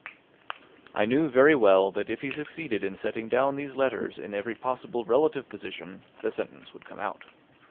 I knew very well that if he succeeded in setting down these letters in every possible relative position, the sentence would come out.